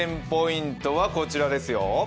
ポイントはこちらですよ。